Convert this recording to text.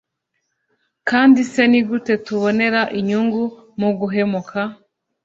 kandi se ni gute tubonera inyungu muguhemuka?